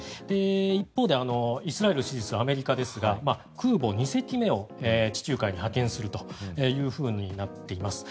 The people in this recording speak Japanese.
一方で、イスラエルを支持するアメリカですが空母２隻目を地中海に派遣するというふうになっています。